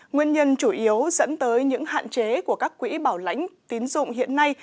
nguyên nhân chủ yếu dẫn tới những hạn chế của các quỹ bảo lãnh tín dụng hiện nay